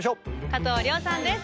加藤諒さんです。